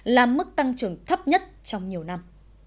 là mức tăng trưởng thấp nhất trong nhiều năm